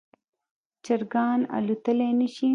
چرګان الوتلی نشي